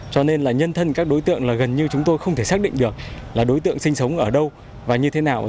cho nên là nhân thân các đối tượng là gần như chúng tôi không thể xác định được là đối tượng sinh sống ở đâu và như thế nào